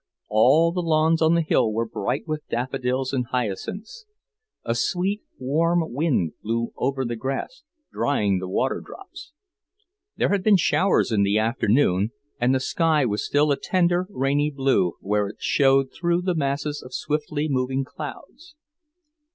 All the lawns on the hill were bright with daffodils and hyacinths. A sweet, warm wind blew over the grass, drying the waterdrops. There had been showers in the afternoon, and the sky was still a tender, rainy blue, where it showed through the masses of swiftly moving clouds.